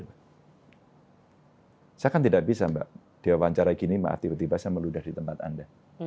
saya kan tidak bisa mbak diwawancara gini tiba tiba saya meludah di tempat anda